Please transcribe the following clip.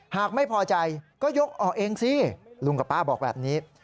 หากไม่พอใจก็ยกออกเองสิลุงกับป้าบอกแบบนี้